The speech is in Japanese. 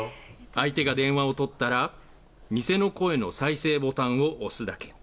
相手が電話を取ったら、偽の声の再生ボタンを押すだけ。